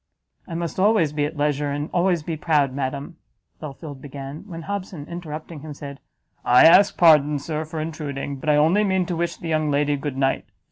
"I must always be at leisure, and always be proud, madam," Belfield began, when Hobson, interrupting him, said, "I ask pardon, Sir, for intruding, but I only mean to wish the young lady good night.